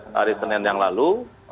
hari senin yang lalu